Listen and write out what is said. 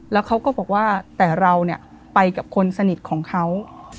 แล้วเขาก็บอกว่าแต่เราเนี่ยไปกับคนสนิทของเขา